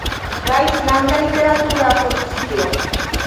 La Islanda literatura asocio.